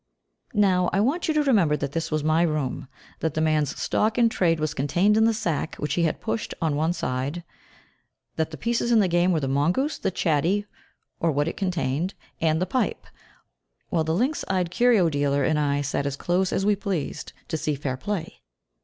Now I want you to remember that this was my room, that the man's stock in trade was contained in the sack which he had pushed on one side, that the pieces in the game were the mongoose, the chatty (or what it contained), and the pipe, while the lynx eyed curio dealer and I sat as close as we pleased to see fair play.